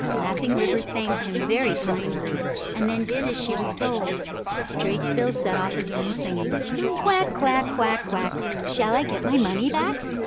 Laughing River thanked him very kindly, and then did as she was told. Drakesbill set off again, singing, "Quack, quack! Quack, quack! Shall I get my money back?"